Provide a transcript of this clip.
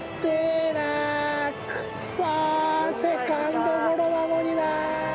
セカンドゴロなのになあ。